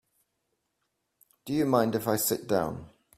Do you mind if I sit down?